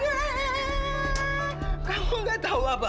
ya kamu gak tahu apa